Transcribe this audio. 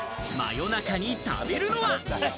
夜中に食べるのは？